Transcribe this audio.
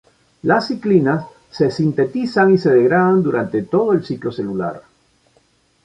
Las ciclinas se sintetizan y se degradan durante todo el ciclo celular.